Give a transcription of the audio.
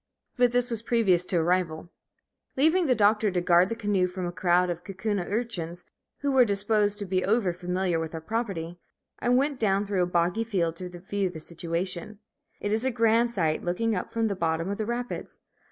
But this was previous to arrival. Leaving the Doctor to guard the canoe from a crowd of Kaukauna urchins, who were disposed to be over familiar with our property, I went down through a boggy field to view the situation. It is a grand sight, looking up from the bottom of the rapids.